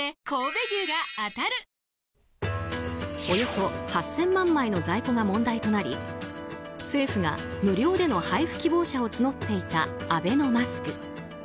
およそ８０００万枚の在庫が問題となり政府が、無料での配布希望者を募っていたアベノマスク。